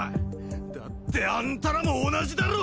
だってあんたらも同じだろ！？